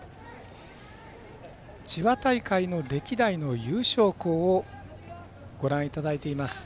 千葉大会の歴代の優勝校をご覧いただいています。